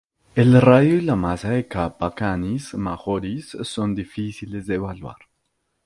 El radio y la masa de Kappa Canis Majoris son difíciles de evaluar.